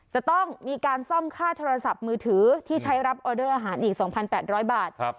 จะต้องมีการซ่อมค่าโทรศัพท์มือถือที่ใช้รับออเดอร์อาหารอีก๒๘๐๐บาท